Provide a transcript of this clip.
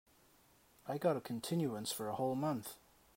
I got a continuance for a whole month.